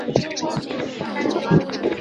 属于支笏洞爷国立公园。